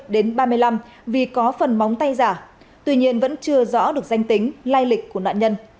đến ba mươi năm vì có phần móng tay giả tuy nhiên vẫn chưa rõ được danh tính lai lịch của nạn nhân